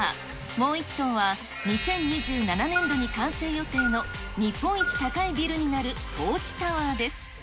もう１棟は、２０２７年度に完成予定の日本一高いビルになるトーチタワーです。